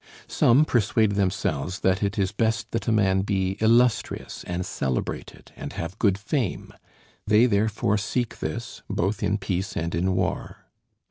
Some persuade themselves that it is best that a man be illustrious and celebrated and have good fame; they therefore seek this both in peace and in war.